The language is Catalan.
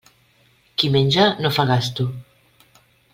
Qui menja, no fa gasto.